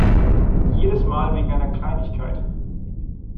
Jedes Mal wegen einer Kleinigkeit.